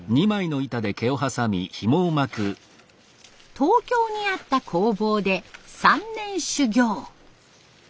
東京にあった工房で３年修業。